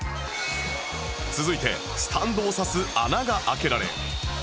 続いてスタンドを刺す穴が開けられ